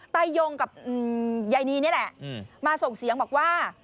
ตายงกับยายนีนี่แหละมาส่งเสียงบอกว่า